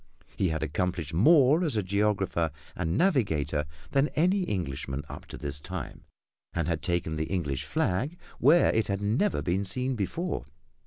He had accomplished more as a geographer and navigator than any Englishman up to his time, and had taken the English flag where it had never been seen before.